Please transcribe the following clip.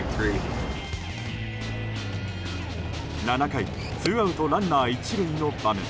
７回、ツーアウトランナー１塁の場面。